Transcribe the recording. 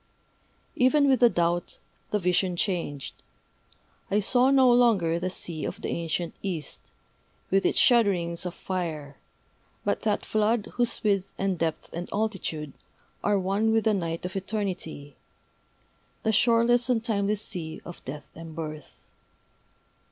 Even with the doubt, the vision changed. I saw no longer the sea of the ancient East, with its shudderings of fire, but that Flood whose width and depth and altitude are one with the Night of Eternity, the shoreless and timeless Sea of Death and Birth.